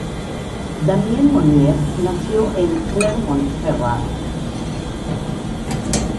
Damien Monier nació en Clermont Ferrand.